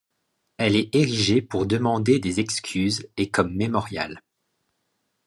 Elle est érigée pour demander des excuses et comme mémorial.